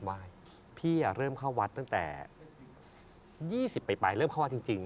พี่เริ่มเข้าวัดตั้งแต่๒๐ไปเริ่มเข้าวัดจริง